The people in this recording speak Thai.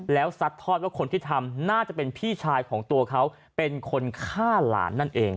แล้วซัดทอดว่าคนที่ทำน่าจะเป็นพี่ชายของตัวเขาเป็นคนฆ่าหลานนั่นเอง